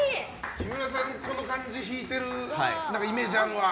木村さん、この感じ弾いてるイメージあるわ。